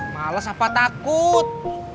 males apa takut